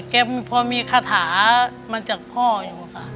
พอมีคาถามาจากพ่ออยู่ค่ะ